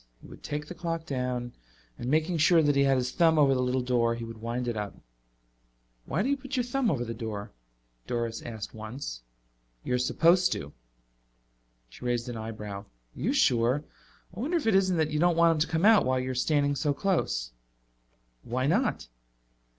He would take the clock down and making sure that he had his thumb over the little door, he would wind it up. "Why do you put your thumb over the door?" Doris asked once. "You're supposed to." She raised an eyebrow. "Are you sure? I wonder if it isn't that you don't want him to come out while you're standing so close." "Why not?"